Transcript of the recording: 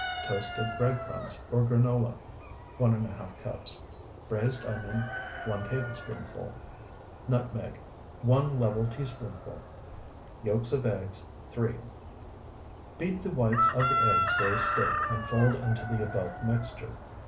Toasted bread crumbs, or granola, 1½ cups. Braized onion, 1 tablespoonful. Nutmeg, 1 level teaspoonful. Yolks of eggs, 3. Beat the whites of the eggs very stiff and fold into the above mixture.